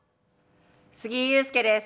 杉井勇介です。